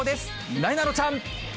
なえなのちゃん。